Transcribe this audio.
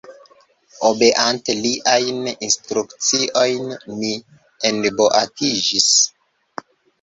Obeante liajn instrukciojn, ni enboatiĝis.